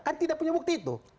kan tidak punya bukti itu